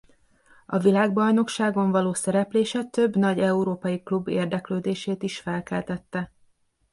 A világbajnokságon való szereplése több nagy európai klub érdeklődését is felkeltette.